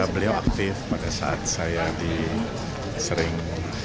beliau aktif pada saat saya disering